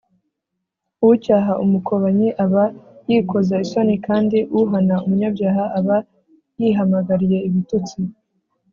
“ucyaha umukobanyi aba yikoza isoni, kandi uhana umunyabyaha aba yihamagariye ibitutsi